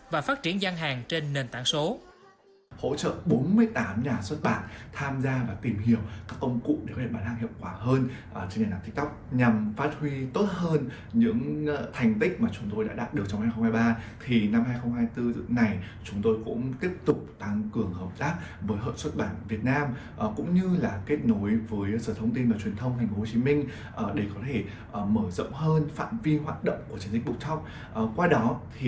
và phát triển gian hàng trên nền tảng số